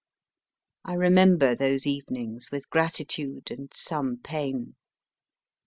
I remember those evenings with gratitude and some pain.